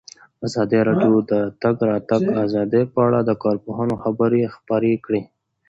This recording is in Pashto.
ازادي راډیو د د تګ راتګ ازادي په اړه د کارپوهانو خبرې خپرې کړي.